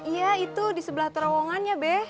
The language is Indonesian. iya itu di sebelah terowongannya beh